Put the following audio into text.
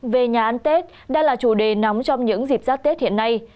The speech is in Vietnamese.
về nhà ăn tết đang là chủ đề nóng trong những dịp giáp tết hiện nay